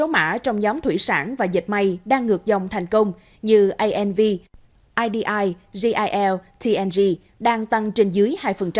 sáu mã trong nhóm thủy sản và dịch may đang ngược dòng thành công như anhv idi gil tng đang tăng trên dưới hai